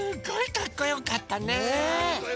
かっこよかったね。